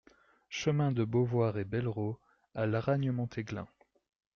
Chemin de Beauvoir et Bellerots à Laragne-Montéglin